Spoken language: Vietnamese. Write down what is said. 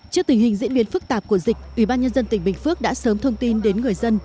trước tình hình diễn biến phức tạp của dịch ủy ban nhân dân tỉnh bình phước đã sớm thông tin đến người dân